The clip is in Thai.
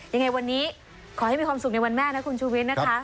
ยังไงวันนี้ขอให้มีความสุขในวันแม่นะคุณชูวิทย์นะคะ